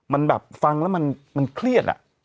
มันแบบฟังแล้วมันเครียดอะ